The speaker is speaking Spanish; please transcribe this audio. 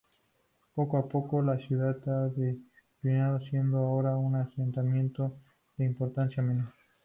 Poco a poco la ciudad ha declinado, siendo ahora un asentamiento de importancia menor.